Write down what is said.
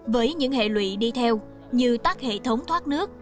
với những hệ lụy đi theo như tắt hệ thống thoát nước